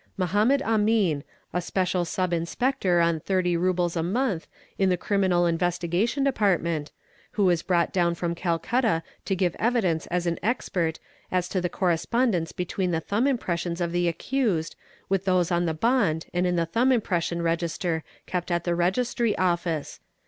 Mahomed Amun, a special Sub Inspector on Rs. 30 a month in the Criminal Investigation Department, who was brought down from Calcutta to give evidence as an expert as to the correspondence between the thumb impressions of the accused with those on the bond and in the thumb unpression register kept at the Registry Office.